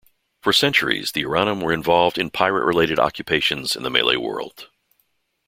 For centuries, the Iranun were involved in pirate-related occupations in the Malay world.